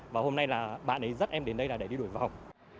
và hôm nay là bạn ấy dắt em đến đây là để đi đổi vòng